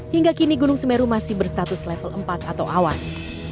hingga kini gunung semeru masih berstatus level empat atau awas